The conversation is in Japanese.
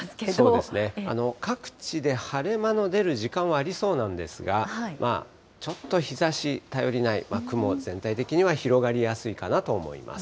そうですね、各地で晴れ間の出る時間はありそうなんですが、ちょっと日ざし、頼りない、雲、全体的には広がりやすいかなと思います。